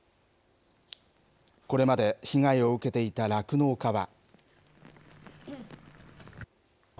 これまで被害を受けていた酪農家は。